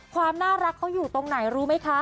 ความน่ารักเขาอยู่ตรงไหนรู้ไหมคะ